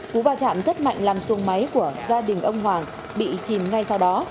cú va chạm rất mạnh làm xuồng máy của gia đình ông hoàng bị chìm ngay sau đó